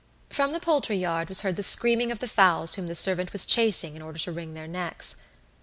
From the poultry yard was heard the screaming of the fowls whom the servant was chasing in order to wring their necks.